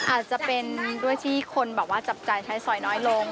อาจจะเป็นด้วยที่คนแบบว่าจับจ่ายใช้สอยน้อยลง